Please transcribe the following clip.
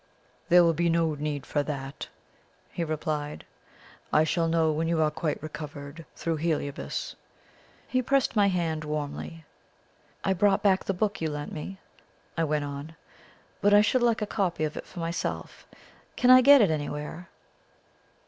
"There will be no need for that," he replied; "I shall know when you are quite recovered through Heliobas." He pressed my hand warmly. "I brought back the book you lent me," I went on; "but I should like a copy of it for myself. Can I get it anywhere?"